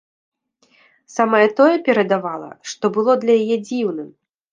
Самае тое перадавала, што было для яе дзіўным.